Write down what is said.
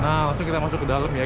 nah langsung kita masuk ke dalam ya